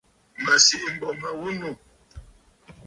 Mə̀ sìʼî m̀bô ma ghu nû.